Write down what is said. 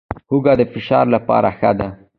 هوږه د فشار لپاره ښه ده